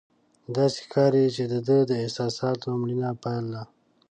داسې ښکاري چې د ده د احساساتو مړینه پیل ده.